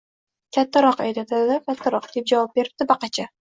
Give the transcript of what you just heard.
— Kattaroq edi, dada, kattaroq, — deb javob beribdi Baqacha